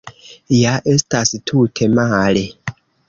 Ja estas tute male.